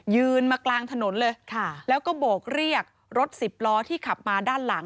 ยืนมากลางถนนเลยแล้วก็โบกเรียกรถสิบล้อที่ขับมาด้านหลัง